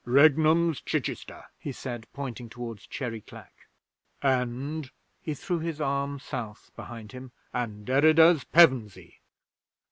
'Regnum's Chichester,' he said, pointing towards Cherry Clack, 'and' he threw his arm South behind him 'Anderida's Pevensey.'